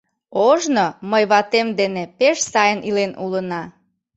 Ожно мый ватем дене пеш сайын илен улына...